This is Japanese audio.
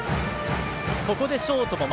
ここでショートも前。